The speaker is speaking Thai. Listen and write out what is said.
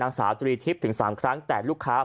นังสาว๓ทิศถึง๓ครั้งแต่ลูกค้า